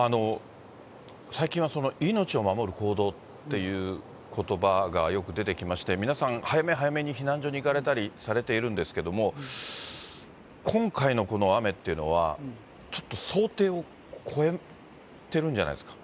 最近は命を守る行動っていうことばがよく出てきまして、皆さん、早め早めに避難所に行かれたりされているんですけど、今回のこの雨っていうのは、ちょっと想定を超えてるんじゃないですか。